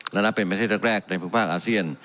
และนับเป็นประเทศแรกในภูมิภาคอาเซียน